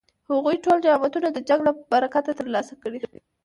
هغوی ټول نعمتونه د جنګ له برکته ترلاسه کړي.